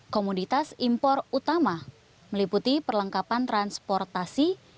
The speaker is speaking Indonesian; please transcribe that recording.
komoditas impor utama meliputi perlengkapan transportasi